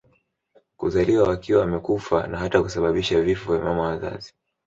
kuzaliwa wakiwa wamekufa na hata kusababisha vifo vya mama wazazi